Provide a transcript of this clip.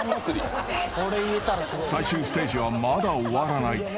［最終ステージはまだ終わらない］